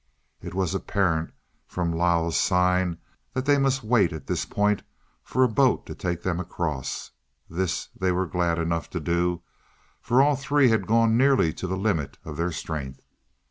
It was apparent from Lao's signs that they must wait at this point for a boat to take them across. This they were glad enough to do, for all three had gone nearly to the limit of their strength.